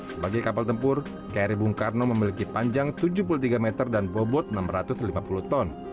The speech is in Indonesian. sebagai kapal tempur kri bung karno memiliki panjang tujuh puluh tiga meter dan bobot enam ratus lima puluh ton